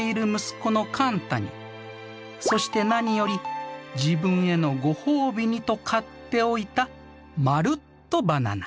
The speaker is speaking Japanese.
そして何より自分へのご褒美にと買っておいたまるっとバナナ。